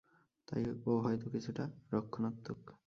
তাই ও হয়তো কিছুটা রক্ষণাত্মক।